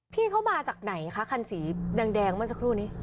พี่เขามาจากไหนคะขันสีแดงบ้างซักครู่นี่